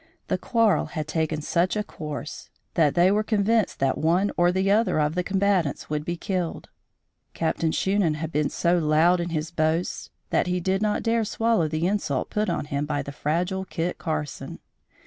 The quarrel had taken such a course that they were convinced that one or the other of the combatants would be killed. Captain Shunan had been so loud in his boasts that he did not dare swallow the insult, put on him by the fragile Kit Carson.